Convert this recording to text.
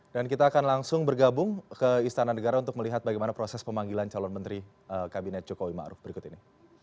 dan kita akan langsung bergabung ke istana negara untuk melihat bagaimana proses pemanggilan calon menteri kabinet jokowi ma'ruf berikut ini